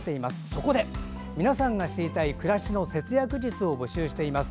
そこで、皆さんが知りたい暮らしの節約術を募集しています。